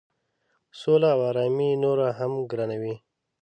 سوله او آرامي نوره هم ګرانوي.